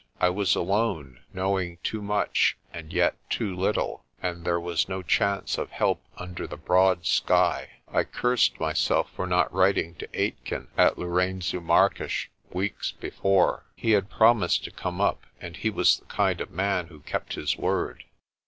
I was alone, knowing too much and yet too little, and there was no chance of help under the broad sky. I cursed myself for not writing to Aitken at Lourengo Marques weeks before. He had promised to come up, and he was the kind of man who kept his word.